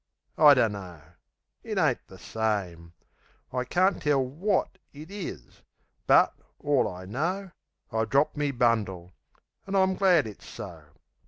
I dunno. It ain't the same. I carn't tell WOT it is; but, all I know, I've dropped me bundle an' I'm glad it's so.